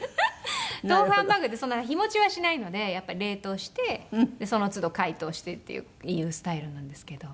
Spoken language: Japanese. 豆腐ハンバーグってそんな日持ちはしないのでやっぱり冷凍してそのつど解凍してっていうスタイルなんですけど。